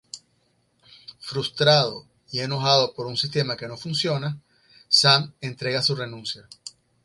Frustrado y enojado por un sistema que no funciona, Sam entrega su renuncia.